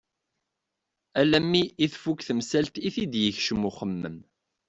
Alammi i tfuk temsalt i t-id-yekcem uxemmem.